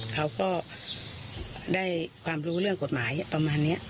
เขาก็ได้ความรู้เรื่องกฎหมายประมาณนี้